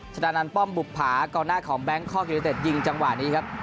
ท่านอันป้อมบุบผาก่อนหน้าของแบงค์ข้อเกร็ดเต็ดยิงจังหวะนี้ครับ